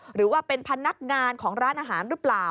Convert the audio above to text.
หรือว่าเป็นพนักงานของร้านอาหารหรือเปล่า